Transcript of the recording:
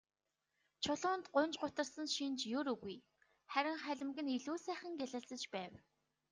Чулуунд гуньж гутарсан шинж ер үгүй, харин халимаг нь илүү сайхан гялалзаж байв.